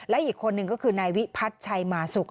และอีกคนนึงก็คือนายวิพัฒน์ชัยมาสุก